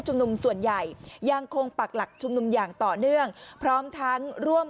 นุมส่วนใหญ่ยังคงปักหลักชุมนุมอย่างต่อเนื่องพร้อมทั้งร่วม